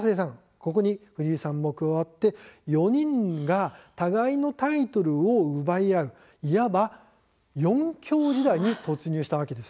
ここに藤井さんも加わって４人が互いのタイトルを奪い合ういわば四強時代に突入したわけです。